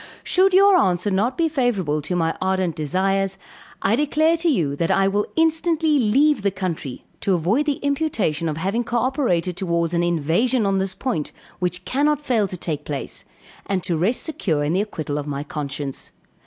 Should your answer not be favorable to my ardent desires, I declare to you that I will instantly leave the country, to avoid the imputation of having cooperated towards an invasion on this point, which cannot fail to take place, and to rest secure in the acquittal of my conscience.